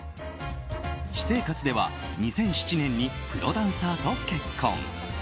私生活では２００７年にプロダンサーと結婚。